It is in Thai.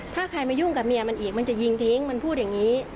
ถ้าใครมายุ่งกับเมียมันอีกมันจะยิงทิ้งมันพูดอย่างนี้